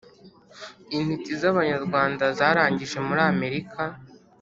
Intiti z’ Abanyarwanda zarangije muri Amerika